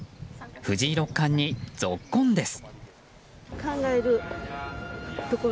藤井六冠にぞっこんです。